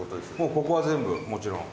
伊達：ここは全部、もちろん。